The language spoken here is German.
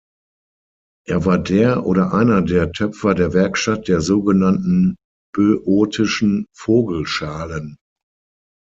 Er war der oder einer der Töpfer der Werkstatt der sogenannten böotischen Vogel-Schalen.